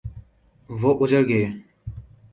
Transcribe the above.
وہ اجڑ گئے۔